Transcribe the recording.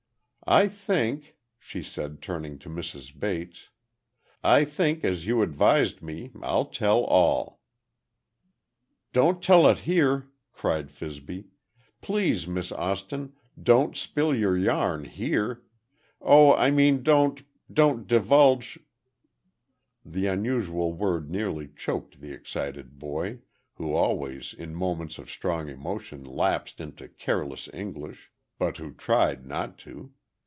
"I think," she said turning to Mrs. Bates, "I think, as you advised me, I'll tell all." "Don't tell it here!" cried Fibsy. "Please, Miss Austin—don't spill your yarn here—oh, I mean, don't—don't divulge—" The unusual word nearly choked the excited boy, who always in moments of strong emotion lapsed into careless English, but who tried not to.